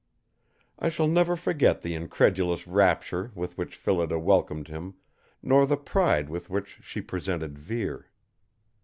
I shall never forget the incredulous rapture with which Phillida welcomed him, nor the pride with which she presented Vere.